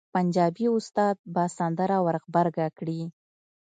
پنجابي استاد به سندره ور غبرګه کړي.